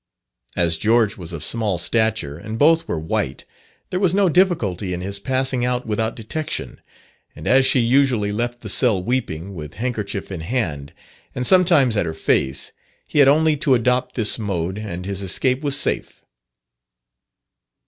As George was of small stature, and both were white, there was no difficulty in his passing out without detection: and as she usually left the cell weeping, with handkerchief in hand, and sometimes at her face, he had only to adopt this mode and his escape was safe.